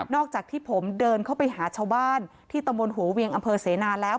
อกจากที่ผมเดินเข้าไปหาชาวบ้านที่ตำบลหัวเวียงอำเภอเสนาแล้ว